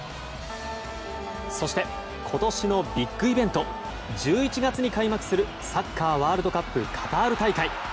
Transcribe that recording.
そして、今年のビッグイベント１１月に開幕する、サッカーワールドカップカタール大会。